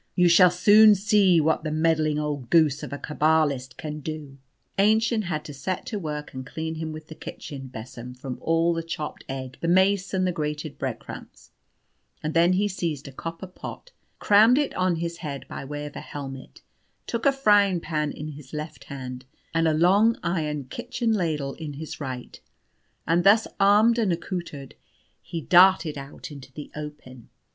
You shall soon see what the meddling old goose of a Cabalist can do." Aennchen had to set to work and clean him with the kitchen besom from all the chopped egg, the mace, and the grated breadcrumbs; and then he seized a copper pot, crammed it on his head by way of a helmet, took a frying pan in his left hand, and a long iron kitchen ladle in his right, and thus armed and accoutred, he darted out into the open.